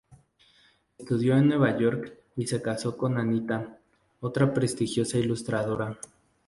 Estudió en Nueva York y se casó con Anita, otra prestigiosa ilustradora.